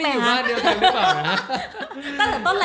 ไม่วิ่งอยู่บ้านอยู่เผลอนะฮะ